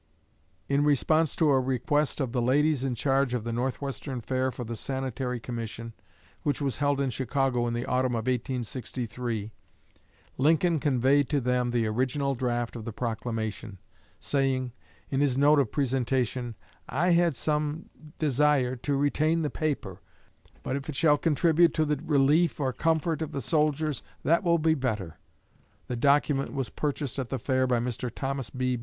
In response to a request of the ladies in charge of the Northwestern Fair for the Sanitary Commission, which was held in Chicago in the autumn of 1863, Lincoln conveyed to them the original draft of the proclamation; saying, in his note of presentation, "I had some desire to retain the paper; but if it shall contribute to the relief or comfort of the soldiers, that will be better." The document was purchased at the Fair by Mr. Thomas B.